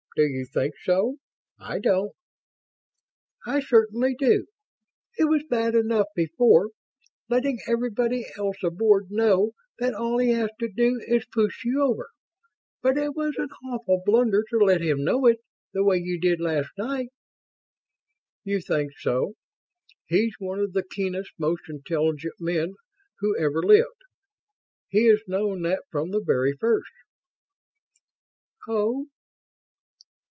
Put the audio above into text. "Do you think so? I don't." "I certainly do. It was bad enough before, letting everybody else aboard know that all he has to do is push you over. But it was an awful blunder to let him know it, the way you did last night." "You think so? He's one of the keenest, most intelligent men who ever lived. He has known that from the very first." "Oh."